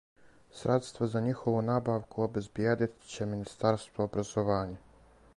Средства за њихову набавку обезбиједит ће министарство образовања.